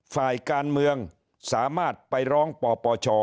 ฝ่ายการเมืองสามารถไปร้องปปช